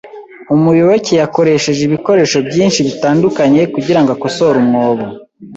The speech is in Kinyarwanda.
Umuyoboke yakoresheje ibikoresho byinshi bitandukanye kugirango akosore umwobo.